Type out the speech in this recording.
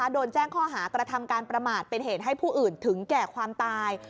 โดนแจ้งข้อหากระทำการประมาทเป็นเหตุให้ผู้อื่นถึงแก่ความตาย